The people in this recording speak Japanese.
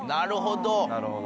なるほど。